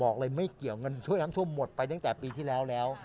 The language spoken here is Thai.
บอกเลยไม่เกี่ยวเงินช่วยน้ำท่วมหมดไปตั้งแต่ปีที่แล้วแล้ว